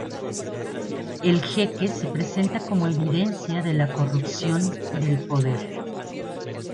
El jeque se presenta como evidencia de la corrupción del poder.